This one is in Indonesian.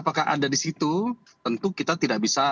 apakah ada di situ tentu kita tidak bisa